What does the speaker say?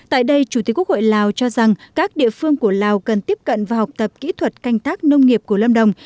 tại đây chủ tịch quốc hội lào cho rằng các địa phương của lào cần tiếp cận và học tập kỹ thuật canh tác nông nghiệp của lâm đồng